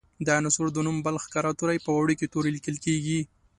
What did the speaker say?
د عنصر د نوم بل ښکاره توری په وړوکي توري لیکل کیږي.